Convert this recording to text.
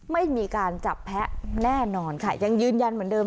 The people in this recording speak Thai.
ไม่มีการจับแพ้แน่นอนค่ะยังยืนยันเหมือนเดิม